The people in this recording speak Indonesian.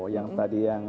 yang tadi yang